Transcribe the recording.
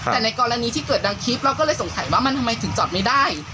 แต่ในกรณีที่เกิดดังคลิปเราก็เลยสงสัยว่ามันทำไมถึงจอดไม่ได้